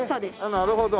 なるほど。